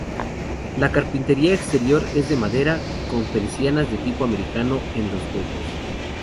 La carpintería exterior es de madera, con persianas de tipo americano en los huecos.